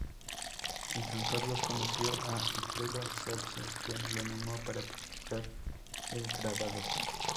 En San Carlos conoció a Alfredo Zalce quien lo animó para practicar el grabado.